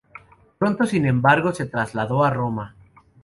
Pronto, sin embargo, se trasladó a Roma.